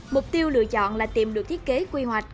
mục tiêu lựa chọn là tìm được thiết kế quy hoạch